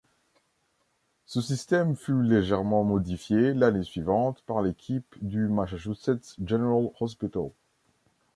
Ce système fut légèrement modifié l'année suivante par l'équipe du Massachusetts General Hospital.